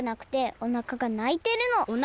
おなかがないてる？